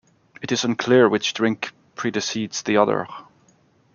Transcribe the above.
It is unclear which drink preceded the other.